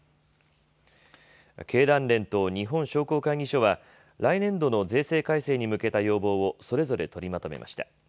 経団連と日本商工会議所は、来年度の税制改正に向けた要望をそれぞれ取りまとめました。